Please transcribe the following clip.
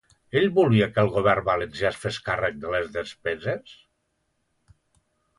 Ell volia que el govern valencià es fes càrrec de les despeses?